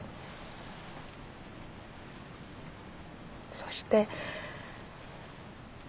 そして。